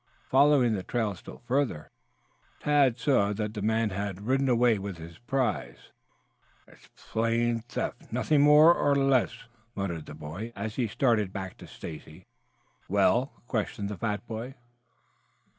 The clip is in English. Following the trail still farther, Tad saw that the man had ridden away with his prize. "It is plain theft, nothing more or less," muttered the boy, as he started back to Stacy. "Well?" questioned the fat boy.